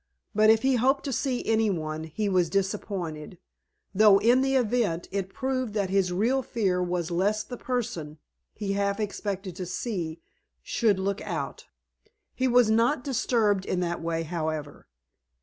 But, if he hoped to see anyone, he was disappointed, though, in the event, it proved that his real fear was lest the person he half expected to see should look out. He was not disturbed in that way, however.